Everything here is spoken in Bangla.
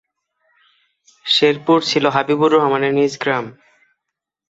শেরপুর ছিল হাবিবুর রহমানের নিজ গ্রাম।